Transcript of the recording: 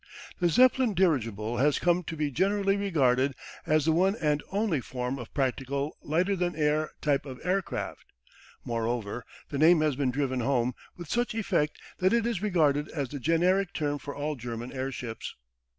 The Zeppelin dirigible has come to be generally regarded as the one and only form of practical lighter than air type of aircraft. Moreover, the name has been driven home with such effect that it is regarded as the generic term for all German airships.